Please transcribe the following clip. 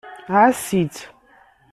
Ɛass-itt.